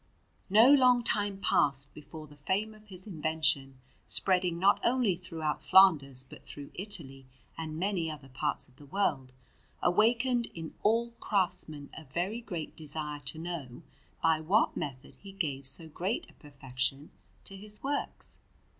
No long time passed before the fame of his invention, spreading not only throughout Flanders but through Italy and many other parts of the world, awakened in all craftsmen a very great desire to know by what method he gave so great a perfection to his works.